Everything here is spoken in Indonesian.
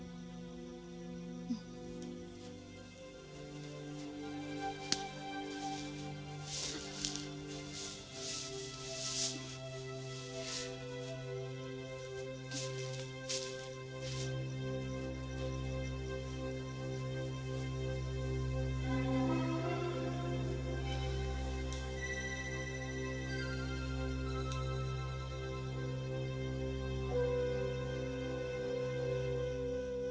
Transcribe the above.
kalau tidur disini